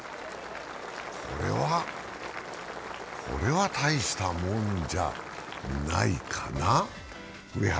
これは大したもんじゃないかな。